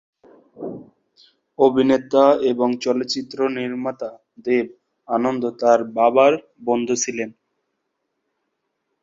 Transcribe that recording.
অভিনেতা এবং চলচ্চিত্র নির্মাতা দেব আনন্দ তাঁর বাবার বন্ধু ছিলেন।